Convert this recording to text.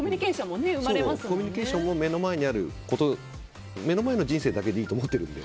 コミュニケーションも目の前の人生だけでいいと思ってるので。